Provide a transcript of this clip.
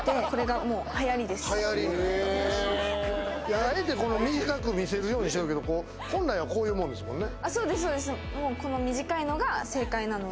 あえて短く見えるようにしてるけど本来はこういうもんですもんね。